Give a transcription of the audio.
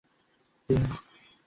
ওর উপর দিয়ে চালিয়ে দে।